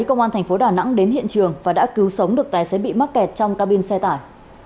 công an thành phố đà nẵng đến hiện trường và đã cứu sống được tài xế bị mắc kẹt trong cabin xe tải